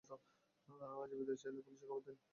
জীবিত চাইলে পুলিশে খবর দিবে না।